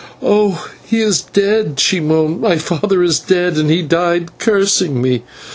"Oh, he is dead," she moaned; "my father is dead, and he died cursing me."